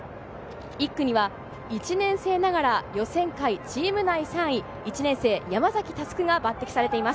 １区には１年生ながら予選会チーム内３位、１年生・山崎丞が抜擢されています。